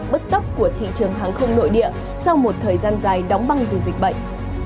bất tấp của thị trường thắng không nội địa sau một thời gian dài đóng băng vì dịch bệnh